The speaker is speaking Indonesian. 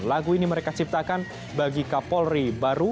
lagu ini mereka ciptakan bagi kapolri baru